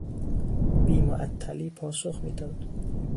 بیمعطلی پاسخ میداد.